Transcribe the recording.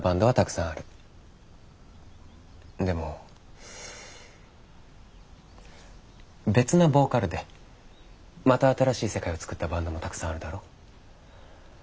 でも別なボーカルでまた新しい世界を作ったバンドもたくさんあるだろ？